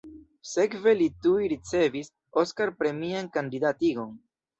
Sekve li tuj ricevis Oskar-premian kandidatigon.